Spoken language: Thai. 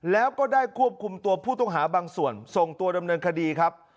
แล้วก็ได้ควบคุมตัวผู้ต้องหาบางส่วนส่งตัวดำเนินคดีครับ